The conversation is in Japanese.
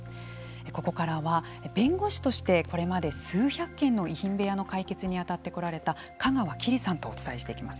ここからは、弁護士としてこれまで数百件の遺品部屋の解決に当たってこられた香川希理さんとお伝えしていきます。